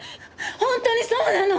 本当にそうなの？